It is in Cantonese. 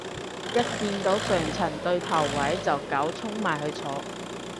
一見到上層對頭位就狗衝埋去坐